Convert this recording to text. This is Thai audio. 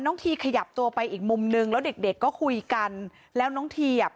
ทีขยับตัวไปอีกมุมนึงแล้วเด็กเด็กก็คุยกันแล้วน้องทีอ่ะ